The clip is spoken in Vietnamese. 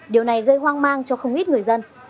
điều này gây hoang mang cho không ít người dân